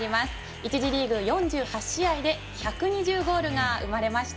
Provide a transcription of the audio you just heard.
１次リーグ４８試合で１２０ゴールが生まれました。